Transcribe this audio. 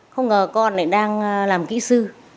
không ngờ con lại đang làm kỹ sư